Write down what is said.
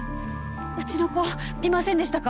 うちの子見ませんでしたか？